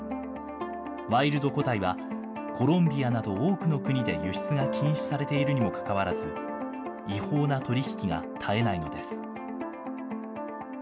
ワイルド個体はコロンビアなど多くの国で輸出が禁止されているにもかかわらず、違法な取り引きが絶えないのです。